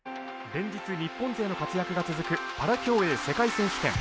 連日、日本勢の活躍が続くパラ競泳世界選手権。